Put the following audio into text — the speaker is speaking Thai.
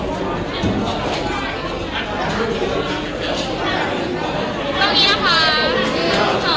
ที่เจนนี่ของกล้องนี้นะคะ